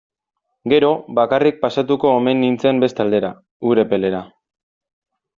Gero, bakarrik pasatuko omen nintzen beste aldera, Urepelera.